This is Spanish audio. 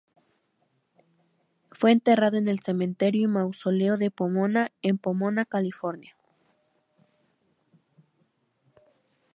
Fue enterrado en el Cementerio y Mausoleo de Pomona en Pomona, California.